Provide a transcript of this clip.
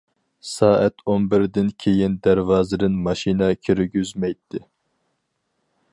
سائەت ئون بىردىن كېيىن دەرۋازىدىن ماشىنا كىرگۈزمەيتتى.